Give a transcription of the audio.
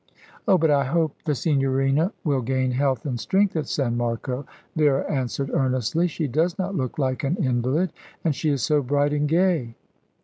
"Oh, but I hope the Signorina will gain health and strength at San Marco," Vera answered earnestly. "She does not look like an invalid! And she is so bright and gay."